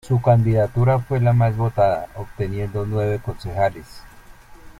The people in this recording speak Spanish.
Su candidatura fue la más votada, obteniendo nueve concejales.